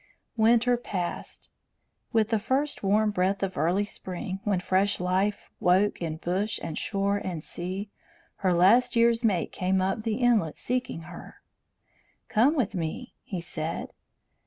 Winter passed. With the first warm breath of early spring, when fresh life woke in bush and shore and sea, her last year's mate came up the inlet seeking her. "Come with me," he said.